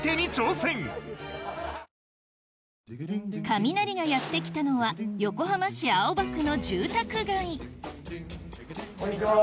カミナリがやって来たのは横浜市青葉区の住宅街こんにちは